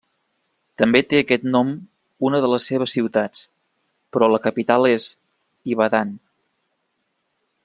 També té aquest nom una de les seves ciutats, però la capital és Ibadan.